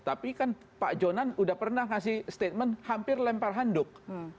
tapi kan pak jonan sudah pernah ngasih statement hampir lempar handuk